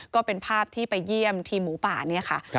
ก็เป็นภาพที่ไปเยี่ยมทีมหมูป่าเนี่ยค่ะ